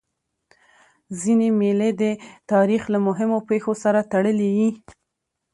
ځيني مېلې د تاریخ له مهمو پېښو سره تړلي يي.